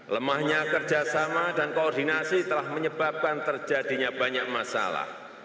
lemahnya kerjasama dan koordinasi telah menyebabkan terjadinya banyak masalah